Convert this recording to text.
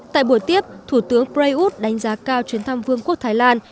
tại buổi tiếp thủ tướng prayuth đánh giá cao chuyến thăm vương quốc thái lan